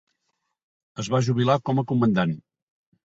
Es va jubilar com a Comandant.